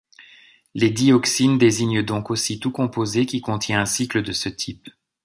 Les dioxines désignent donc aussi tout composé qui contient un cycle de ce type.